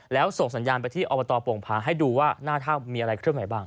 แล้วส่งสัญญาณไปที่อบตโป่งพาให้ดูว่าหน้าถ้ำมีอะไรเครื่องไหนบ้าง